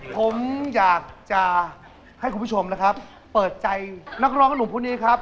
ผมอยากจะให้คุณผู้ชมนะครับเปิดใจนักร้องหนุ่มคนนี้ครับ